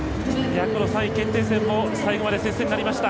３位決定戦も最後まで接戦になりました。